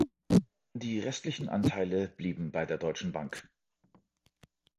Die restlichen Anteile blieben bei der Deutschen Bank.